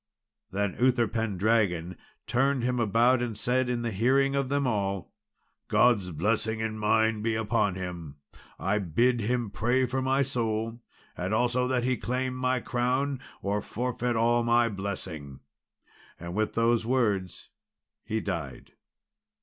Then Uther Pendragon turned him about, and said, in the hearing of them all, "God's blessing and mine be upon him. I bid him pray for my soul, and also that he claim my crown, or forfeit all my blessing;" and with those words he died.